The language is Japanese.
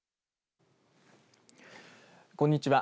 こんにちは。